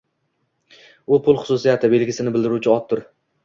U pul xususiyati, belgisini bildiruvchi otdir